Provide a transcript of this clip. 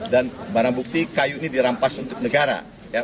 dan barang bukti kayu ini dirampas untuk negara